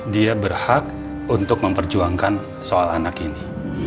dia berhak untuk memperjuangkan soal anak ini